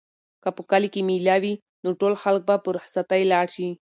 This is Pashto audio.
که په کلي کې مېله وي نو ټول خلک به په رخصتۍ لاړ شي.